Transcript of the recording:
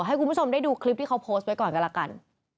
ให้คุณผู้ชมได้ดูคลิปที่เขาโพสต์ไว้ก่อนกันละกัน